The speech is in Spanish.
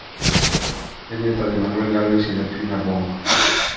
Es nieta de Manuel Gálvez y Delfina Bunge.